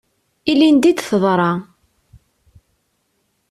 Ilinidi i d-teḍra.